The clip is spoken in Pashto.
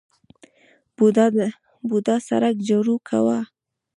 بوډا سرک جارو کاوه.